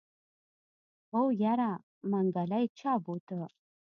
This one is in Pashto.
هو يره منګلی چا بوته.